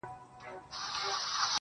دا څو وجوده ولې بې زبانه سرگردانه,